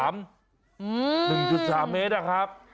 ๑๓เมตรนะครับ